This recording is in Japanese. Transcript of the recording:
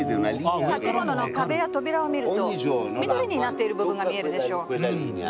建物の壁や扉を見ると緑になっている部分が見えるでしょう。